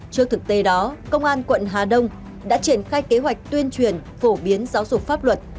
trước thực tế đó công an quận hà đông đã triển khai kế hoạch tuyên truyền phổ biến giáo dục pháp luật